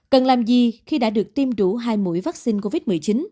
cần làm gì khi đã được tiêm đủ hai mũi vaccine covid một mươi chín